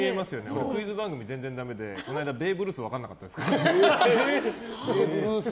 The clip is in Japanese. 俺、クイズ番組、全然だめでこの間、ベーブ・ルースが分からなかったですから。